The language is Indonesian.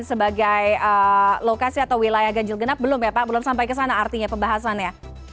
sebagai lokasi atau wilayah ganjil genap belum ya pak belum sampai ke sana artinya pembahasannya